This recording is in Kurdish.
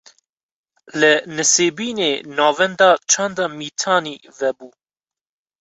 Li Nisêbînê, Navenda Çanda Mîtanî vebû